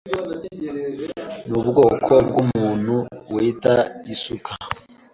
Nubwoko bwumuntu wita isuka.